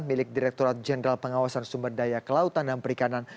milik direkturat jenderal pengawasan sumber daya kelautan dan perikanan